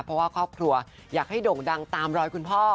เพราะว่าครอบครัวอยากให้โด่งดังตามรอยคุณพ่อ